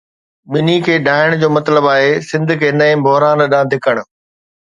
ٻنهي کي ڊاهڻ جو مطلب آهي سنڌ کي نئين بحران ڏانهن ڌڪڻ.